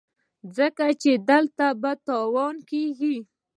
ځکه چې ګټه په تاوان کېږي.